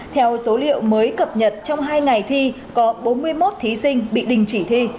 theo số liệu mới cập nhật trong hai ngày thi có bốn mươi một thí sinh bị đình chỉ thi